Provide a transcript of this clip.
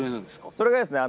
それがですね